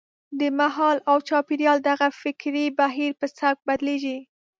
د مهال او چاپېریال دغه فکري بهیر په سبک بدلېږي.